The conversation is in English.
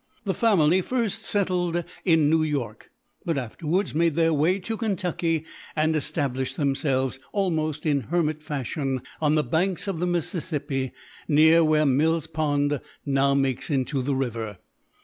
The family first settled in New York; but afterwards made their way to Kentucky, and established themselves, almost in hermit fashion, on the banks of the Mississippi, near where Mills' Point now makes into the river.